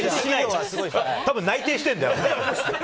たぶん内定してるんだよ。